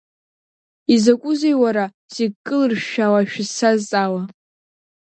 Изакәызеи, уара, зегь кылыршәшәаауа шәызсазҵаауа?